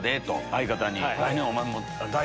と相方に。